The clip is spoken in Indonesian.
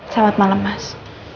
selamat malam mas